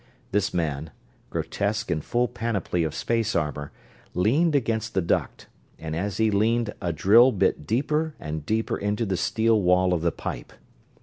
This man, grotesque in full panoply of space armor, leaned against the duct, and as he leaned a drill bit deeper and deeper into the steel wall of the pipe.